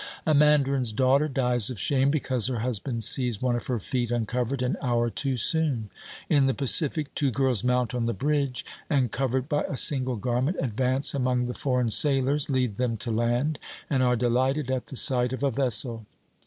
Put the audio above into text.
A man darin's daughter dies of shame because her husband sees one of her feet uncovered an hour too soon ; in the Pacific two girls mount on the bridge and, covered by a single gar ment, advance among the foreign sailors, lead them to land, and are dehghted at the sight of a vessel.